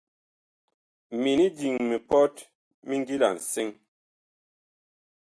Minig diŋ mipɔt mi ngila nsɛŋ.